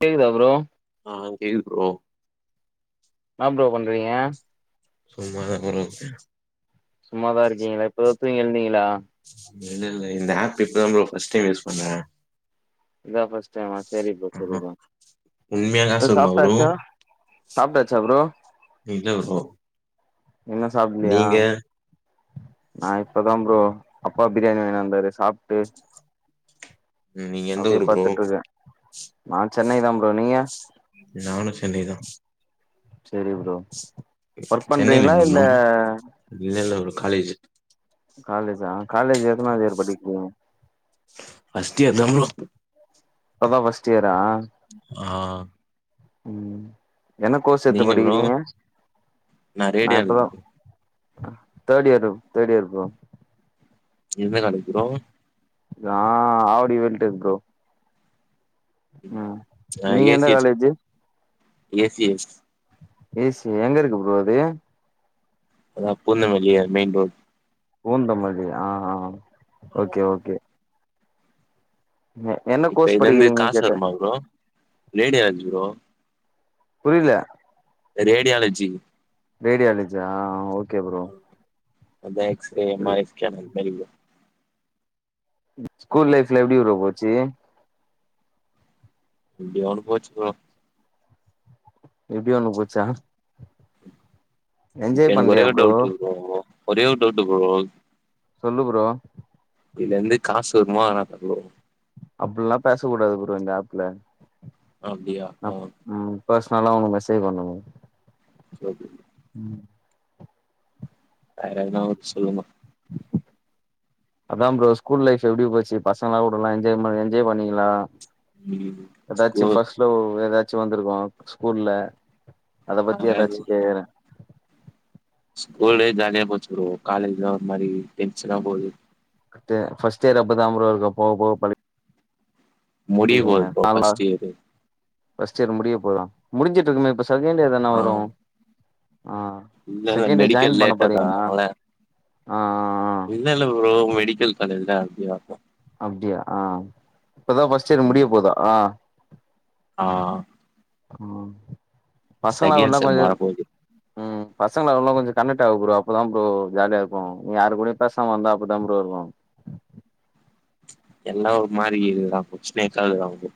கேக்குதா ப்ரோ ஆ கேக்குது ப்ரோ என்னா ப்ரோ பண்றீங்க சும்மா தா ஃபோன வச்சிட்ட சும்மாதா இருக்கீங்களா இப்போ தூங்கி எழுந்தீங்களா இல்ல இல்ல இந்த ஆப் இப்பதா ப்ரோ ஃபஸ்ட் டைம் யூஸ் பண்ற இதா ஃபஸ்ட் டைமா சேரி ப்ரோ சேரி ஆஹா ப்ரோ உண்மையா எதா காசு வருமா ப்ரோ சாப்ட்டாச்சா சாப்டாச்சா ப்ரோ இல்ல ப்ரோ இன்னு சாப்புலயா நீங்க நா இப்பதா ப்ரோ அப்பா பிரியாணி வாய்னு வந்தாரு சாப்ட்டு ம், நீங்க எந்த அப்டியே ஊரு ப்ரோ பட்த்துட்ருக்கே நா சென்னை தா ப்ரோ நீங்க நானு சென்னைதா செரி ப்ரோ ஒர்க் சென்னைல பண்றீங்களா எங்க இல்ல ப்ரோ இல்ல இல்ல ப்ரோ காலேஜீ காலேஜா காலேஜ் எத்தனாவது இயர் படிக்கு ஃபஸ்ட் இயர் தா ப்ரோ அதா ஃபஸ்ட் இயரா ஆ ம் என்ன கோர்ஸ் எட்த்து நீங்க ப்ரோ படிக்கிறீங்க நா இப்பதா தேட் இயர் ப்ரோ தேட் இயர் ப்ரோ எந்த காலேஜ் ப்ரோ நா ஆவடி வன்ட்ட ப்ரோ ம் நா நீங்க ஏ எந்த சி எஸ் காலேஜி ஏ சி எஸ் ஏசு எங்க இருக்கு ப்ரோ அது அதா பூந்தமல்லி அது மெயின் ரோட் பூந்தமல்லி ஆ ஓகே ஓகே நீங்க என்ன கோர்ஸ் படிக்கிறீங்கன் கேட்ட ஏங் ப்ரோ ரேடியாலஜி ப்ரோ புரியில ரேடியாலஜி ரேடியாலிஜா ஆ ஓகே ப்ரோ அதா எக்ஸ்ரே மா எக்ஸ்ரா மார் மாரி விழு ஸ்கூல் லைப்ல எப்டி ப்ரோ போச்சி எப்டியோ ஒன்னு போச்சி ப்ரோ எப்டியோ ஒண்ணு போச்சா என்ஜாய் பண்லையா ப்ரோ இல்ல ப்ரோ ஒரே ஒரு டவுட்டு ப்ரோ சொல்லு ப்ரோ இதுலந்து காசு வருமா வராதா ப்ரோ அப்பில்லா பேச கூடாது ப்ரோ இந்த ஆப்ல அப்டியா ஒ ம் பர்சனலா அவுங்க மெசேஜ் பண்வாங்க சரி ம் வேற எதனாவச் சொல்லுங்கோ அதா ப்ரோ ஸ்கூல் லைஃப் எப்டி போச்சி பசங்ளா கூடல்லா என்ஜாய் மே என்ஜாய் பண்ணீங்ளா ம் எதாச்சு ஸ்கூல் ஃபர்ஸ்ட் லவ் எதாச்சு வந்திருக்கு ஸ்கூல்ல அத பத்தி எதாச்சி கே ஸ்கூல்லே ஜாலியா போச்சி ப்ரோ காலேஜ்தா ஒரு மாரி டென்ஷனா போது கட்டு ஃபர்ஸ்ட் இயர் அப்பதாம் ப்ரோ இருக்கு போக போக பழ முடிய போது இல்லிங்க ப்ரோ ஆல்லா ஃபர்ஸ்ட் இயரு ஃபர்ஸ்ட் இயர் முடிய போதா முடிஞ்சிட்டிருக்குமே இப்பஸ் செகெண்டு எதலா ஆ வரு ஆ இல்ல இல்ல செகெண்டு இயர் மெடிக்கல் ஜாயின் பண்ண லேட்டா போறீளா தொறந்தாங்கள ஆ ஆ ஆ இன்னு இல்ல ப்ரோ மெடிக்கல் காலேஜ்னா அப்டியாக்கு அப்டியா ஆ இப்பதா ஃபர்ஸ்ட் இயர் முடிய ம் போதா ஆ கு செகெண்ட் செம் மாற போது பசங்லெல்லா கொஞ்ச கனெட் ஆகு புரோ அப்பதா ப்ரோ ஜாலியா இருக்கு நீ யாரு கூடயு பேசாமிருந்தா அப்டிதா ப்ரோ இருக்கு எல்லா ஒரு மாரி கீதுதா [unintelligible] அதுதா ப்ரோ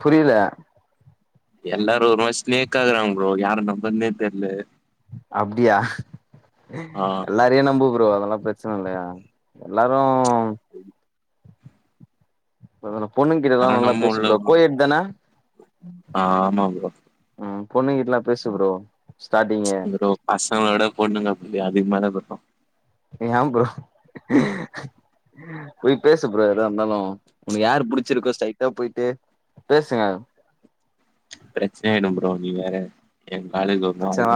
புரில எல்லாரு ஒரு மாரி ஸ்நேக்காகுறாங்க ப்ரோ யார நம்பர்னே தெர்ல அப்டியா ஆ எல்லா தே நம்பு ப்ரோ அதெல்லா பிரச்சனில்லயா எல்லாரு பரவால பொண்ணுங்கிட்ட எல்லா ஆனா நல்லா நம்ம பேசு ப்ரோ கோயெட் தான அ ஆமா ப்ரோ ம் பொண்ணுங்கிட்டெல்லா பேசு ப்ரோ ஸ்டாடிங்கே ப்ரோ பசங்ள விட பொண்ணுங்க புத்தி அதிகமாதா ப்ரோ [unintelligible] ஏ ப்ரோ போய் பேசு ப்ரோ எதா இருந்தாலு உனக்கு யார புடிச்சிருக்கோ ஸ்ட்ரைட்டா போய்ட்டு பேசுங்க பிரச்னையாய்டு ப்ரோ நீ வேற எங் காலஜ் பச்சா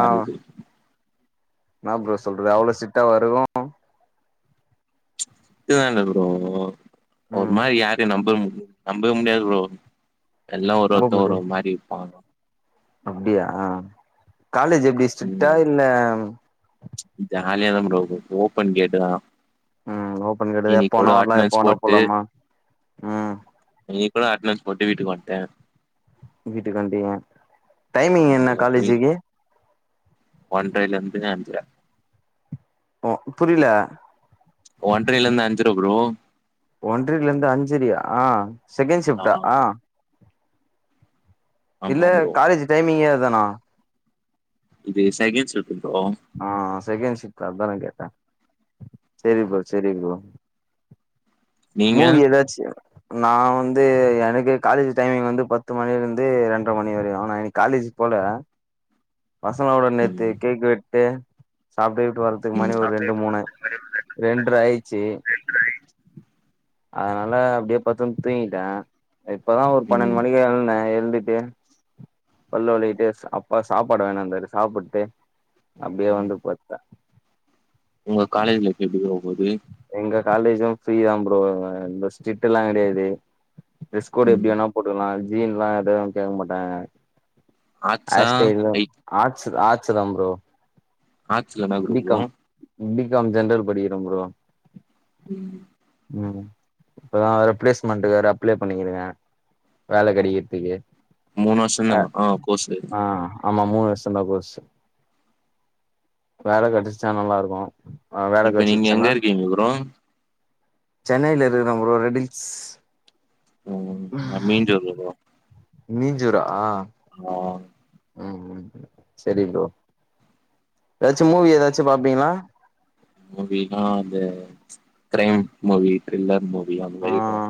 என்னா ப்ரோ சொல்ற அவ்ளோ ஸ்டிட்டாவா இருக்கு ஸ்டிட்லா இல்ல ப்ரோ ஒரு ம் மாரி யாரையு நம்ப முடி நம்பவே முடியாது ப்ரோ எல்லா ஒரு நம்ப ஒருத்தவ முடியு ஒரு மாரி இருப்பாங்கோ அப்டியா காலேஜ் எப்டி ஸ்டிட்டா இல்ல ஜாலியாத ப்ரோ இருக் ஓபன் கேட்டு தா ம் ஓபன் கேட்டுது எப்ப இன்னைக்கு வேணா கூட வரலா எப்ப அட்டனன்ஸ் வேணா போட்டு போலாமா ம் இப்ப த அட்னஸ் போட்டு வீட்டுக்கு வன்ட வீட்டுக்கு வண்டியா டைமிங் என்ன அவ்ளோதா போய் காலேஜுக்கு ஒன்றைல இருந்துத அஞ்சர ஓ புரில ஒன்றைல இருந்து அஞ்சர ப்ரோ ஒன்றைல இருந்து அஞ்சரையா செகண்ட் ஷிஃப்ட் ஆ இல்ல ஆமா ப்ரோ காலேஜ் டைமிங்கே அதானா இது செகண்ட் ஷிஃப்ட் ப்ரோ ஆ செகண்ட் ஷிஃப்ட் அதான கேட்டா சேரி ப்ரோ சேரி ப்ரோ நீங்க மூவி ஏதாச்சு நா வந்து எனக்கு காலேஜ் டைமிங் வந்து பத்து மணில இருந்து ரெண்டரை மணி வரையும் நா இன்னைக்கு காலேஜ் போல பசங்கலோட ம் நேத்து கேக்கு வெட்டு சாப்ட்டு கிப்ட்டு வர நேத்து ம் மணி ஒரு ரெண்டு மூணு ரெண்ரை ஆய்ச்சி ரெண்டர ஆயிருச்சு அதனால அப்டியே படுத்துன் தூங்கிட்டே இப்பதா ஒரு பன்னெட் ம் மணிக்கு எழுந்த எழுந்துட்டு பல்லு வெலக்கிட்டுஸ் அப்பா சாப்பாடு வாங்கினு வந்தாரு சாப்புட்டு அப்டியே வந்து படுத் அ உங்க காலேஜ் லைப் எப்டி ப்ரோ போது எங்க காலேஜ்ம் ஃப்ரீ தான் ப்ரோ ஸ்ட்ல்லா கிடையாது டிரஸ் கோடு எப்படி ம் வேனா போட்டுகலாம் ஜீன்லா எதவும் கேட்க மாட்டாங்க ஹேர் ஆர்ட்ஸா ஸ்டைல் லைக் ஆட்ஸ் ஆட்ஸ்த ப்ரோ ஆட்ஸ்ல என்ன group B com bro B com general படிக்கிறேன் ப்ரோ ம் ம் இப்பதா வேற பிளேஸ்மெண்டுக்கு வேற அப்ளை பண்ணிருகேன் வேல கிடைக்கிறதுக்கு மூணு வருஷம்தான ஆ கோர்ஸ்சு ஆ ஆமா மூணு வருஷம் தான் கோர்ஸ் வேல கெடச்சிட்ட நல்லா இருக்கும் வேல இப்ப நீங்க எங்க கெடச்சுன்னா இருக்கீங்க ப்ரோ சென்னைல இருக்கறேன் ப்ரோ ரெடில்ஸ் ம் நா மீஞ்சூர்ல ப்ரோ மீஞ்சூரா ஆ ம் ம் சரி ப்ரோ ஏதாச்சு மூவி ஏதாச்சு பாப்பீங்ளா மூலின்னா அந்த கிரைம் மூவி த்ரில்லர் மூவி அந்த மாறி பாப்பேன்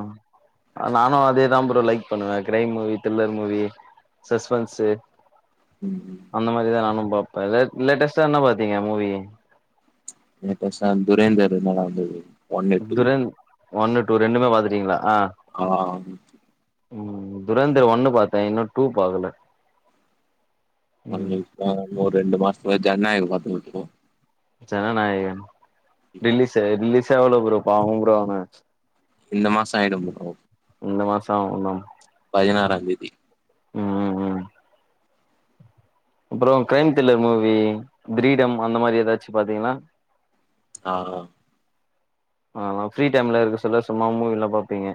நானும் அதேதான் ப்ரோ லைக் பண்ணுவேன் crime movie thriller movie suspense ம் ம் அந்த மாறித நானும் பாப்பேன் லேட்டஸ்டா என்ன பாத்தீங்க மூவி லேட்டஸ்டா துரேந்தரு நல்லா இருந்தது துரேந் ஒன்னு டூ ரெண்டுமே பாத்துடீங்களா ஆ ஆ ம் துரேந்தர் ஒன்னு பாத்தேன் இன்னும் டூ பாக்கல ம் ஒரு ரெண்டு மாசத்துக்கு முன்னாடியோ ஜனநாயகன் பாத்து முடிச்சிட்டோம் ஜன நாயகன் ரிலீஸ் ரிலீஸ்ஸே ஆவல ப்ரோ பாவம் ப்ரோ அவன் இந்த மாசம் ஆயிடும் ப்ரோ இந்த மாசம் அவன் தா ப்ரோ பதினாறாம் தேதி ம் ம் அப்புறம் கிரைம் த்ரில்லர் மூவி கிரீடம் அந்த மாறி ஏதாச்சு பாத்தீங்கள்ளா ஆ ஆ ஆ ஃப்ரீ டைம்ல இருக்க சொல்ல சும்மா மூவில்லாம் பாப்பீங்க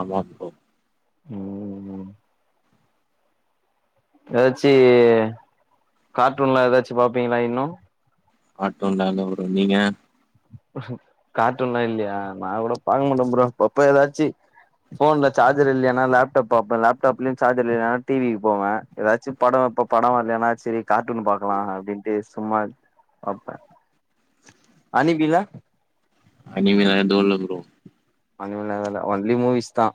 ஆமா ப்ரோ ம் எதாச்சி கார்ட்டூன்லா எதாச்சு பாப்பீங்ளா இன்னு கார்ட்டூன்லா இல்ல ப்ரோ நீங்க கார்ட்டூன்லா இல்லயா நா கூட பாக்க மாட்டே ப்ரோ அப்பப்ப எதாச்சி ஃபோன்ல சார்ஜர் இல்லைனா லேப்டாப் பாப்பே லேப்டாப்லயு சார்ஜர் இல்லனா டிவி க்கு போவே எதாச்சு படோ இப்ப படோ வர்லைனா செரி கார்ட்டூன் பாக்கலா அப்டின்ட்டு சும்மா பாப்பே அனீமில அனீமினா எதுவுல்ல ப்ரோ அந்த மார்லா எது இல்ல ஒன்லி மூவீஸ் தா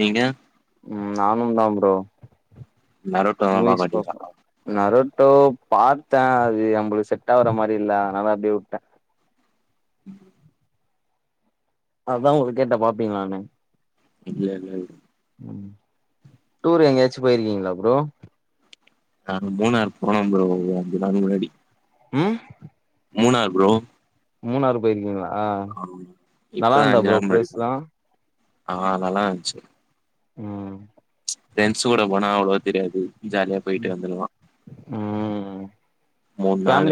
நீங்க ம் நானும்தா ப்ரோ நரோட்டோலா பாக்க மூவிஸ் மாட்டீங்களா பாப்பே நரட்டோ பாத்தே அது நம்ளுக்கு செட்டாவுற மாரி இல்ல அதனாலா அப்டியே வுட்டே ம் அதா உங்கள கேட்டே பாப்பீங்களானு இல்ல இல்லல்ல டூர் எங்கேயாச்சு போய்ருக்கீங்ளா ப்ரோ நாங்க மூணாறு போனோ ப்ரோ அஞ்சு நாள் முன்னாடி ம் மூணாறு ப்ரோ மூணாறு போய்ருக்கீங்ளா ஆ இப்பதா அஞ்சு நாள் முன்னாடி போனே ஆ நல்லான்ச்சு ம் ஃப்ரெண்ட்ஸ் கூட போனா அவ்ளோவா தெரியாது ஜாலியா போய்ட்டு வந்துற்லா ம் மூன் நாள்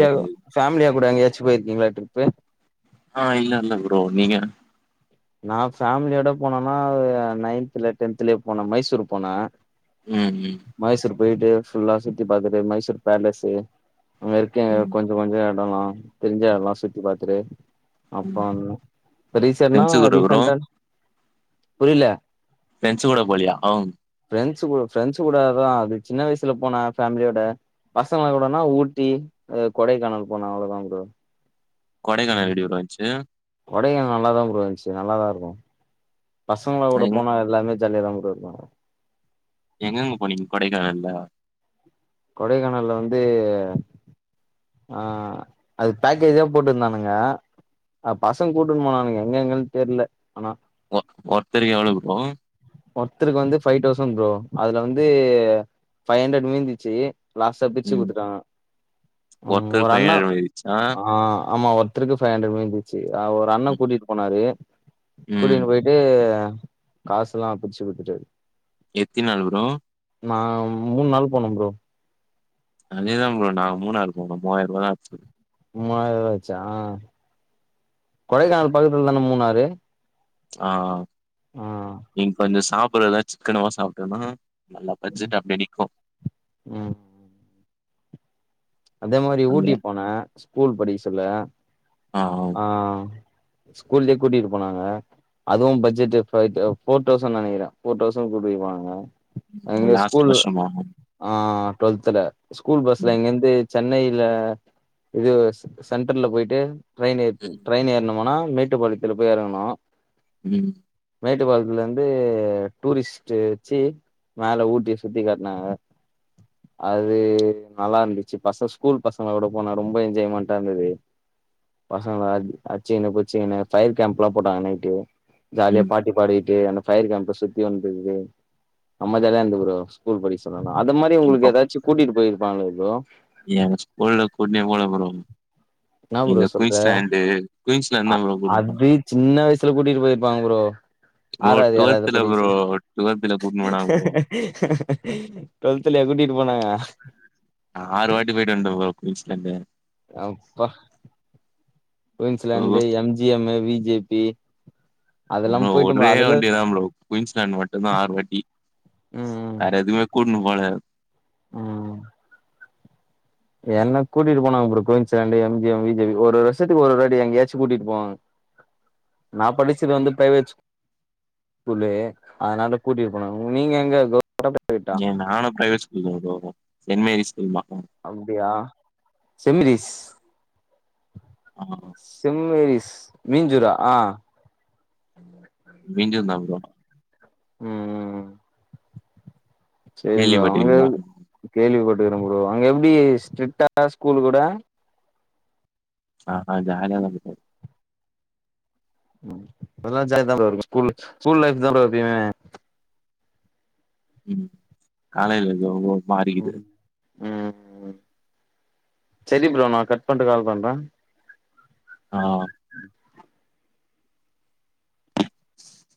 ஃபேம்லியா கூட எங்கயாச்சு போய்ருக்கீங்களா டிரிப்பு ஆ இல்ல இல்ல ப்ரோ நீங்க நா ஃபேமிலியோட போனேனா நைன்த்துல டென்த்துலயோ போனே மைசூர் போனே ம் ம் மைசூர் போய்ட்டு ஃபுல்லா சுத்தி பாத்துட்டு மைசூர் பேலஸ்ஸு அங்கருக்க ம் கொ ஞ்ச கொஞ்சோ எடொலா தெரிஞ்ச எடலா சுத்தி பாத்துட்டு அப்பா ப்ப ரீசென்னா ஃப்ரெண்ட்ஸ் கூட ப்ரோ ரீசென்ட்டான் புரில ஃப்ரெண்ட்ஸ்ஸு கூட போலயா ஃப்ரெண்ட்ஸ்ஸு கூட ஃப்ரெண்ட்ஸ்ஸு கூடதா அது சின்ன வய்சல போனே ஃபேம்லியோட பசங்க கூடனா ஊட்டி ஆ கொடைக்கானல் போனே அவ்ள தா ப்ரோ கொடைக்கானால் எப்டி ப்ரோ இருன்ச்சு கொடைகானல் நல்லா தா ப்ரோ இன்ச்சு நல்லாதாருக்கு பசங்ளா கூட எங் போனா எல்லாமே ஜாலியா தா ப்ரோ இருக்கு எங்கெங்க போனீங்க கொடைக்கானல்ல கொடைக்கானல்ல வந்து ஆ அது பேக்கேஜா போட்டுந்தானுங்க ஆ பசங்க கூட்டுன் போனானுங்க எங்கெங்கன் தெர்ல ஆனா ஒ ஒர்த்தருக்கு எவ்ளோ ப்ரோ ஒர்த்தருக்கு வந்து ஃபை தௌசண்ட் ப்ரோ அதுல வந்து ஃபை அண்ட்ரட் மீந்துச்சு லாஸ்ட்டா பிச்சு ம் குத்துட்டாங்க ம் ஒருத்தருக்கு ஒரு அண்ணா பதினேழு இருந்துச்சா ஆ ஆமா ஒ ர்த்தருக்கு ஃபை அண்ட்ரட் மீந்துச்சு ஆ ஒரு அண்ணே கூட்டிட்டு போனாரு ம் கூட்டினு போய் ஏ காசுல்லா பிரிச்சு குடுத்துட்டாரு எத்தி நாலு ப்ரோ நா மூணு நாள் போனோ ப்ரோ அதேதா ப்ரோ நா மூணாறு போனோ மூவாயிர ரூவா தா ஆச்சு மூவாயிரரூவாச்சா கொடைக்கானல் பக்கத்துல தான மூணாறு ஆ ஆ நீங்க கொஞ்சோ சாப்படுறதா சிக்கனமா சாப்டேனா நல்லா பட்ஜெட் அப்டே நிக்கு ம் அதே மாரி அங்க ஊட்டிகு போனே ஸ்கூல் படிக்க சொல்ல ஆ ஆ ஸ்கூல்லயே கூட்டிகிட்டு போனாங்க அதுவு பட்ஜெட்டு ஃபை தௌ ஃபோர் தௌசண்ட் நெனக்கிறே ஃபோர் தௌசண்ட் கூட்டிபோனாங்க லாஸ்ட் வருஷமா ஆ டுவெல்துல ஸ்கூல் பஸ்ல ம் இங்கிருந்து சென்னைல இது ஸ் சென்டர்ல போயிட்டு ட்ரையின் ஏ ட்ரையின் ஏறணுமனா மேட்டு பாளையத்துல போய் எறங்கணு ம் மேட்டுப்பாளையத்துல இருந்து டூரிஸ்ட் டு வச்சி மேல ஊட்டிய சுத்தி காட்னாங்க அது நல்லா இருந்து ச்சு பசங்க ஸ்கூல் பசங்களோட போனா ரொம்ப என்ஜாய்மெண்டா இருந்தது பசங்கள அடி அடிச்சுங்குனு புடிச்சிங்குனு ஃபயர் கேம்ப் எல்லா போட்டாங்க நைட்டு ஜாலியா ம் பாட்டு பாடிக்கிட்டு அந்த ஃபயர் கேம்ப்ப சுத்தி வந்தது செம்ம ஜாலியா இருந்தது ப்ரோ ஸ்கூல் படிக்க சொல்லணுனா அந்த மாரி உங்களுக்கு ஏதாச்சு கூட்டிட்டு போயிருப்பாங்கள ப்ரோ எனக் ஸ்கூல்ல கூட்டனே போல ப்ரோ என்னா ப்ரோ இந்த சொல்ற குயிஸ்சாண்டு குயின்ஸ்லாண்டு அ தா கூட்டுனு போனா அது சின்ன வயசுல கூட்டிட்டு போயிருப்பாங்க ப்ரோ ப்ரோ ஆறாவது ஏழாவது டுவெல்த்ல படிக்க ப்ரோ சொல்ல டுவெல்த்ல கூட்னு போனாங்க ப்ரோ டுவெல்த்லயா கூட்டிட்டு போனாங்க ஆறு வாட்டி போயிட்டு வந்ட்டே ப்ரோ குயின்ஸ்லாண்டு அப் பா Queensland bro M G M மு வி ஜே பி உ அதெல்லா நா போயிட்டோ ப்ரோ ஒரே அதுல வண்டி தா ப்ரோ குயின்ஸ்லாண்ட் மட்டுதா ஆறுவாட்டி ம் வேற எதுமே கூட்டுணு போல ம் என்ன கூட்டிட்டு போனாங்க bro Queensland M G M V J P ஒரு ஒரு வருஷத்து ஒரு ஒரு வாட்டி எங்கயாச்சு கூட்டிட்டு போவாங்க [inaudible] நா படிச்சது வந்து பிரைவேட் ஸ் கூலு அதனால கூட்டிட் போனாங்க நீங்க எங்க ப்ரோ ஏ நானு பிரைவேட் ஸ்கூல் தா ப்ரோ வந்து சென்ட் மேரிஸ் ஸ்கூல் தா ப் அப்டியா செம்மீரீஸ் ஆமா ப்ரோ செம்மேரிஸ் மீஞ்சூரா ஆ மீஞ்சூர் தா ப்ரோ ம் ம் சேரி ப்ரோ அங்க எ கேள்விப்பட்டிருக்கீங்களா கேள்விப்பட்டுக்கிறே ப்ரோ அங்க எப்டி ஸ்ட்ரிட்டா ஸ்கூல் கூட ஆ ஹ ஜாலியா தா ப்ரோ போ ம் அதா ஜாலியா தா ப்ரோ இருக்கு ஸ்கூல்லே ஸ்கூல் லைஃப் தா எப்பயுமே ம் காலைல [unintelligible] ம் ம் சேரி ப்ரோ நா கட் பண்ணிட்டு கால் பண்றே ஆ